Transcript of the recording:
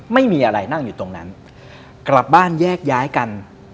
ไม่มีอะไรนั่งอยู่ตรงนั้นกลับบ้านแยกย้ายกัน